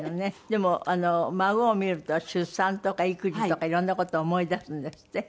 でも孫を見ると出産とか育児とか色んな事を思い出すんですって？